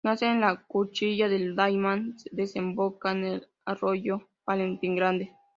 Nace en la Cuchilla del Daymán y desemboca en el arroyo Valentín Grande.